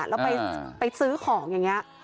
แล้วไปซื้อของอย่างนี้